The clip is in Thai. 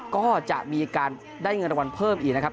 ก็จะมีการได้เงินรางวัลเพิ่มอีกนะครับ